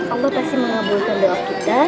allah pasti mengabulkan doa kita